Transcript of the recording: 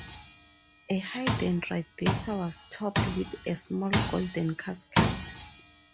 A "hidden" radiator was topped with a small golden casket.